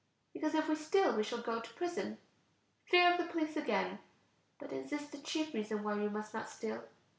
Because if we steal we shall go to prison. Fear of the police again! But is this the chief reason why we must not steal?